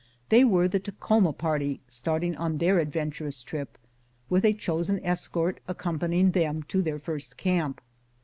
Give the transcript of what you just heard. They were the Takhoma party starting on their adventurous trip, with a chosen escort accompanying them to their first camp.